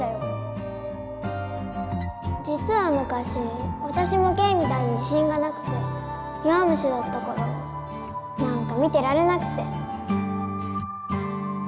じつはむかしわたしもケイみたいに自信がなくて弱虫だったからなんか見てられなくて。